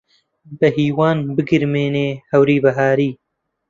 بەهیوان بگرمێنێ هەوری بەهاری